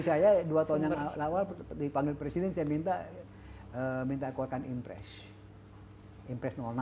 saya dua tahun yang awal dipanggil presiden saya minta minta aku akan impress impress enam